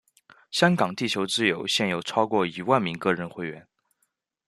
香港地球之友现有超过一万名个人会员。